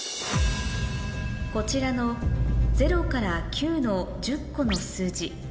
こちらの０から９の１０個の数字